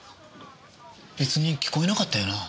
別に聞こえなかったよな？